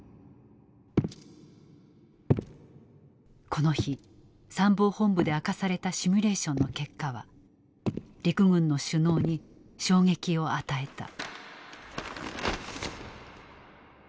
この日参謀本部で明かされたシミュレーションの結果は陸軍の首脳に衝撃を与えた。